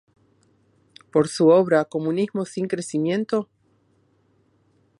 Por su obra "¿Comunismo sin crecimiento?